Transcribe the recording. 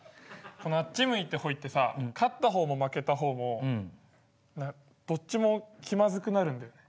このあっち向いてホイってさ勝った方も負けた方もどっちも気まずくなるんだよね。